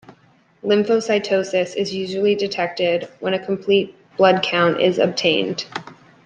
Lymphocytosis is usually detected when a complete blood count is obtained.